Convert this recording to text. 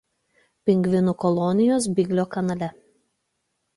Pingvinų kolonijos Byglio kanale.